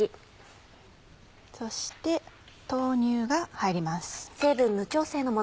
そして豆乳が入ります。